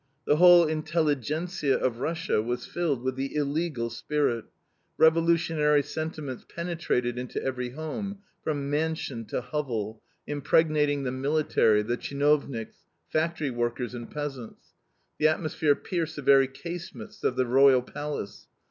The whole INTELLIGENZIA of Russia was filled with the ILLEGAL spirit: revolutionary sentiments penetrated into every home, from mansion to hovel, impregnating the military, the CHINOVNIKS, factory workers, and peasants. The atmosphere pierced the very casemates of the royal palace.